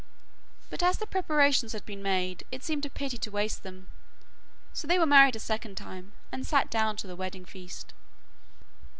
But as the preparations had been made, it seemed a pity to waste them, so they were married a second time, and sat down to the wedding feast.